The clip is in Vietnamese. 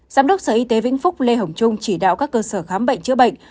giám đốc sở y tế vĩnh phúc lê hồng trung chỉ đạo các cơ sở khám bệnh chữa bệnh